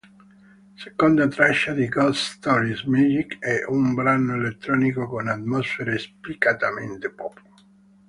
Seconda traccia di "Ghost Stories", "Magic" è un brano elettronico con atmosfere spiccatamente pop.